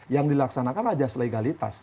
yang dilaksanakan rajas legalitas